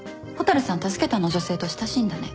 助けたあの女性と親しいんだね？